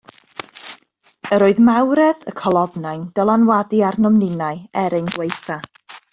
Yr oedd mawredd y colofnau'n dylanwadu arnom ninnau er ein gwaethaf.